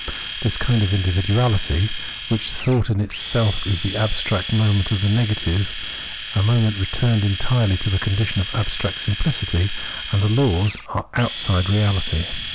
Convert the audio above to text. This kind of individuahty, which thought is in itself, is the abstract movement of the negative, a movement returned en tirely to the* condition of abstract simpHcity ; and the laws are outside reahty.